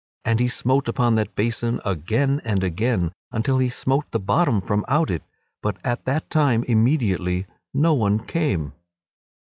And he smote upon that basin again and again until he smote the bottom from out it; but at that time immediately no one came.